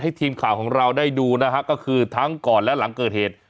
ทีมข่าวของเราได้ดูนะฮะก็คือทั้งก่อนและหลังเกิดเหตุ